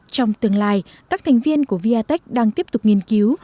trong tương lai các thành viên của viatech đang tiếp tục nghiên cứu